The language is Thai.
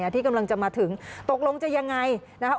ที่กำลังจะมาถึงตกลงจะยังไงนะคะ